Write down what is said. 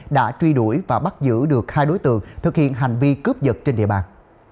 đã truy đuổi và bắt giữ được hai đối tượng thực hiện hành vi cướp giật trên địa bàn